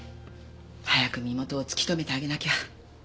早く身元を突き止めてあげなきゃ。